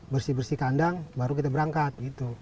bersih bersih kandang baru kita berangkat gitu